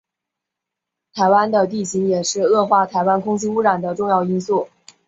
台湾的地形也是恶化台湾空气污染的重要因素。